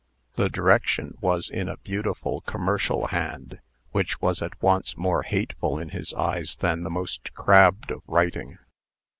The direction was in a beautiful commercial hand, which was at once more hateful in his eyes than the most crabbed of writing.